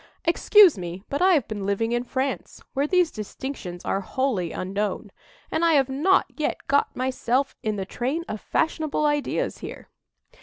Excuse me, but I have been living in France, where these distinctions are wholly unknown, and I have not yet got myself in the train of fashionable ideas here."